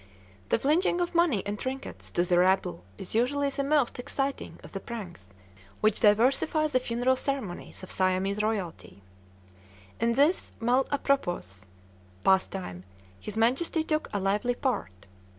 The flinging of money and trinkets to the rabble is usually the most exciting of the pranks which diversify the funeral ceremonies of Siamese royalty; in this mal à propos pastime his Majesty took a lively part.